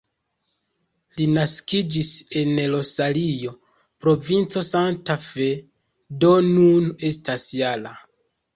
Li naskiĝis en Rosario, provinco Santa Fe, do nun estas -jara.